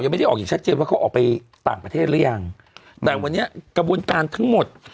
ไม่ได้ออกอย่างชัดเจนว่าเขาออกไปต่างประเทศหรือยังแต่วันนี้กระบวนการทั้งหมด